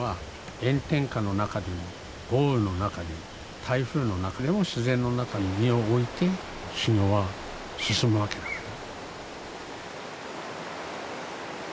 炎天下の中でも豪雨の中でも台風の中でも自然の中に身を置いて修行は進むわけだから。